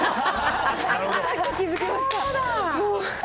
さっき気付きました。